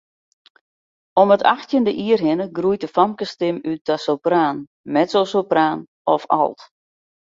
Om it achttjinde jier hinne groeit de famkesstim út ta sopraan, mezzosopraan of alt.